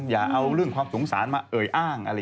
อย่าเอาเรื่องความสงสารมาเอ่ยอ้างอะไร